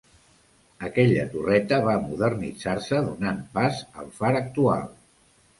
Aquella torreta va modernitzar-se donant pas al far actual.